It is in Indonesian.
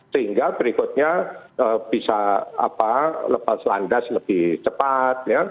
sehingga berikutnya bisa lepas landas lebih cepat